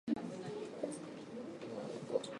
「だからあたし達男なんかお呼びじゃないのよ悪い？」